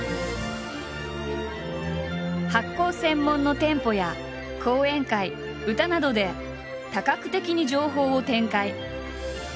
発酵専門の店舗や講演会歌などで多角的に情報を展開。